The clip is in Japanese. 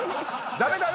「ダメだよ！」